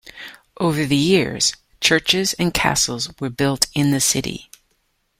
Over the years, churches and castles were built in the city.